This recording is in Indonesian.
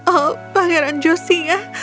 oh pangeran josia